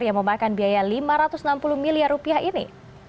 yang memakan biaya lima ratus enam puluh miliar rupiah ini